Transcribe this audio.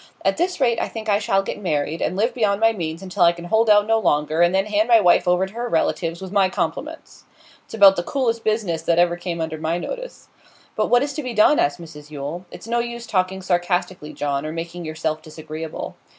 At this rate I think I shall get married, and live beyond my means until I can hold out no longer, and then hand my wife over to her relatives, with my compliments. It's about the coolest business that ever came under my notice.' 'But what is to be done?' asked Mrs Yule. 'It's no use talking sarcastically, John, or making yourself disagreeable.